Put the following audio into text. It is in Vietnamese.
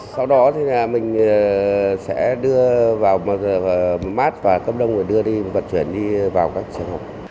sau đó thì mình sẽ đưa vào mát và cơm đông để đưa đi